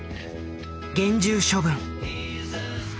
厳重処分」。